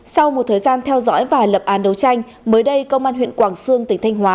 sau một thời gian theo dõi và lập án đấu tranh mới đây công an huyện quảng sương tỉnh thanh hóa